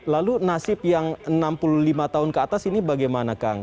lalu nasib yang enam puluh lima tahun ke atas ini bagaimana kang